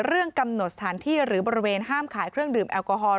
กำหนดสถานที่หรือบริเวณห้ามขายเครื่องดื่มแอลกอฮอล